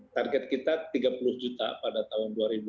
target kita tiga puluh juta pada tahun dua ribu dua puluh